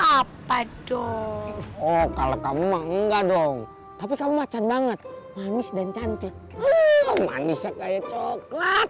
apa tuh oh kalau kamu mah enggak dong tapi kamu macan banget manis dan cantik manisnya kayak coklat